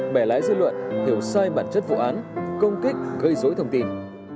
bẻ lái dư luận hiểu sai bản chất vụ án công kích gây dối thông tin